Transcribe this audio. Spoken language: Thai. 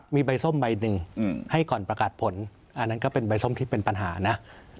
มีใบส้มใบหนึ่งให้ก่อนประกาศผลอันนั้นก็เป็นใบส้มที่เป็นปัญหานะ